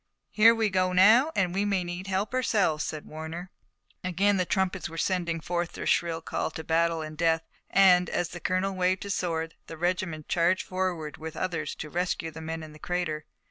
"Here we go now, and we may need help ourselves!" said Warner. Again the trumpets were sending forth their shrill call to battle and death, and, as the colonel waved his sword, the regiment charged forward with others to rescue the men in the crater.